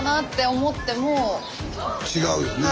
違うよね。